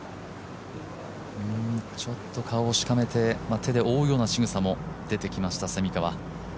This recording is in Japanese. ちょっと顔をしかめて手で覆うような仕草も出てきました、蝉川。